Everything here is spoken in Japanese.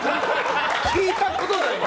聞いたことないよ。